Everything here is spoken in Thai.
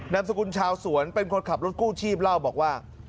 สกุลชาวสวนเป็นคนขับรถกู้ชีพเล่าบอกว่า